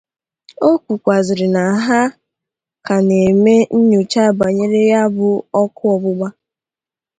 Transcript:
O kwukwazịrị na ha ka na-eme nnyòcha banyere ya bụ ọkụ ọgbụgba